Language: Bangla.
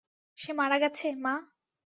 সে মারা গেছে, মা?